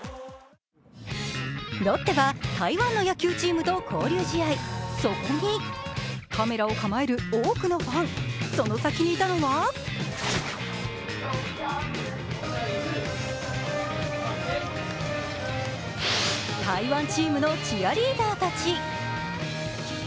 ロッテは台湾の野球チームと交流試合、そこにカメラを構える多くのファン、その先にいたのは台湾チームのチアリーダーたち。